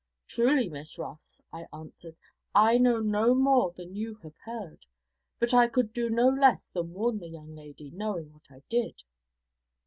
'Truly, Miss Ross,' I answered, 'I know no more than you have heard; but I could do no less than warn the young lady, knowing what I did.'